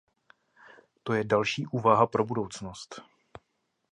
To je další úvaha pro budoucnost.